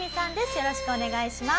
よろしくお願いします。